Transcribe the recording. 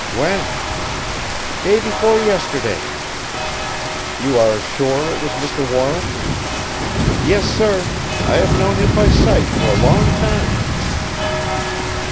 "When?" "Day before yesterday." "You are sure it was Mr. Warren?" "Yes, sir. I have known him by sight for a longtime."